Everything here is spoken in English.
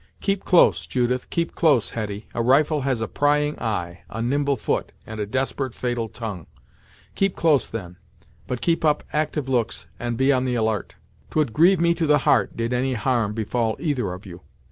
'Keep close, Judith keep close, Hetty a rifle has a prying eye, a nimble foot, and a desperate fatal tongue. Keep close then, but keep up actyve looks, and be on the alart. 'Twould grieve me to the heart, did any harm befall either of you.'